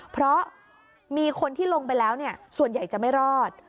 เพราะมีคนที่ลงไปแล้วส่วนใหญ่จะไม่รอด